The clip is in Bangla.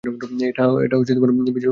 এটা বিজোড় কেন?